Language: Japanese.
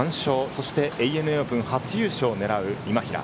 そしてＡＮＡオープン初優勝を狙う、今平。